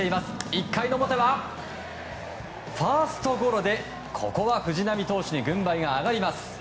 １回の表はファーストゴロでここは藤浪投手に軍配が上がります。